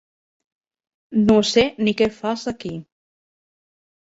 No sé ni què fas aquí.